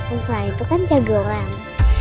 umsal itu kan jago orang